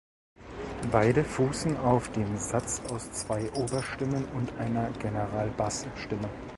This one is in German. Beide fußen auf dem Satz aus zwei Oberstimmen und einer Generalbass-Stimme.